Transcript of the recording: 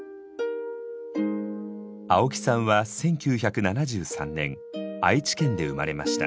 青木さんは１９７３年愛知県で生まれました。